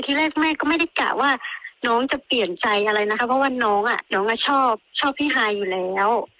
ที่แรกแม่ก็ไม่ได้กะว่าน้องจะเปลี่ยนใจอะไรนะคะเพราะว่าน้องอ่ะน้องก็ชอบพี่ฮายอยู่แล้ว